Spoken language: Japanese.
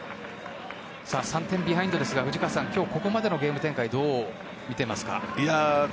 ３点ビハインドですが藤川さん、今日ここまでのゲーム展開、どう見てますか？